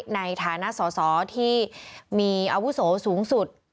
ในฐานะสอสอที่มีอาวุโสสูงสุด